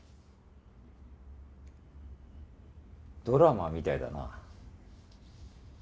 ドラマみたいだな。